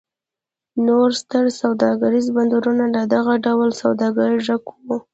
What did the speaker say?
نور ستر سوداګریز بندرونه له دغه ډول سوداګرو ډک و.